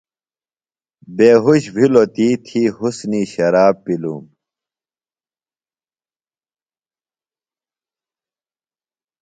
بیہوۡش بِھلوۡ تی تھی حُسُنیۡ شراب پِلوۡم۔